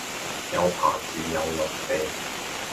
又爬樹又落地